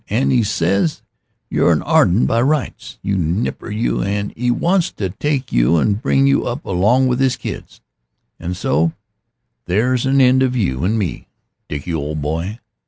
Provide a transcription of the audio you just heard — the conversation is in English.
An' 'e says you're a Arden by rights, you nipper you, an' 'e wants to take you and bring you up along of his kids so there's an end of you and me, Dickie, old boy.